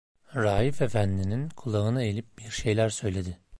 Raif efendinin kulağına eğilip bir şeyler söyledi.